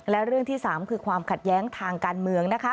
และเรื่องที่๓คือความขัดแย้งทางการเมืองนะคะ